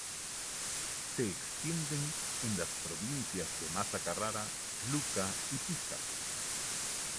Se extienden en las provincias de Massa-Carrara, Lucca y Pisa.